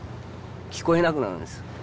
聞こえなくなるんです。